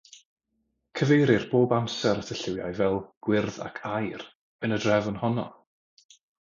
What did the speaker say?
Cyfeirir bob amser at y lliwiau fel “gwyrdd ac aur”, yn y drefn honno.